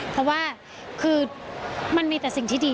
เพราะว่าคือมันมีแต่สิ่งที่ดี